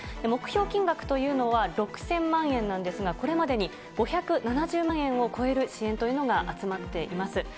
目標金額というのは６０００万円なんですが、これまでに５７０万円を超える支援というのが集まっています。